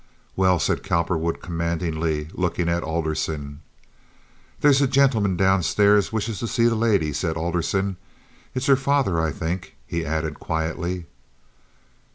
"Well," said Cowperwood, commandingly, looking at Alderson. "There's a gentleman down stairs wishes to see the lady," said Alderson. "It's her father, I think," he added quietly.